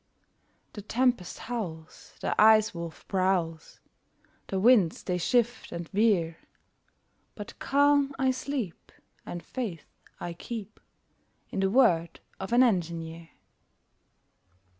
The tempest howls, The Ice Wolf prowls, The winds they shift and veer, But calm I sleep, And faith I keep In the word of an engineer.